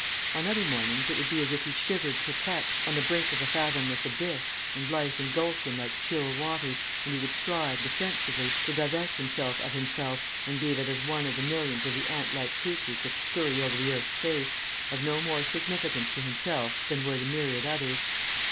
On other mornings it would be as if he shivered perplexed on the brink of a fathomless abyss, and life engulfed him like chill waters, and he would strive, defensively, to divest himself of himself and be but as one of millions of the ant like creatures that scurry over the earth's face, of no more significance to himself than were the myriad others.